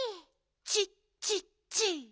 チッチッチッ！